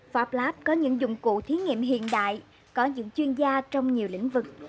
pháp lab có những dụng cụ thiến nghiệm hiện đại có những chuyên gia trong nhiều lĩnh vực